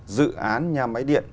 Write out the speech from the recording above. dự án nhà máy điện